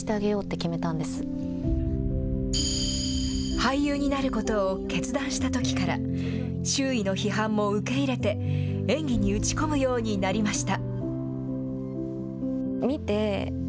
俳優になることを決断したときから、周囲の批判も受け入れて、演技に打ち込むようになりました。